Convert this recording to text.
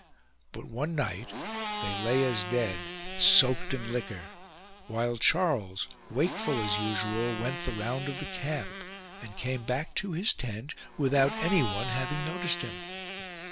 But one night they lay as dead, soaked in liquor ; while Charles, wakeful as usual, went the round of the camp, and came back to his tent without anyone having noticed him.